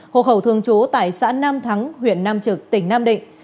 hộ khẩu thường trú tại xã nam thắng huyện nam trực tỉnh nam định